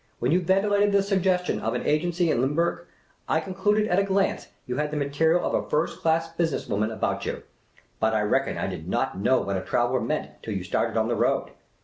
When you ventilated the suggestion of an agency at Limburg, I con cluded at a glance you had the material of a first class busi ness woman about you ; but I reckon I did not know what a traveller meant till you started on the road.